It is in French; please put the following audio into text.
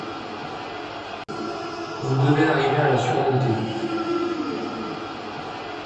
vous devez arriver à la surmonter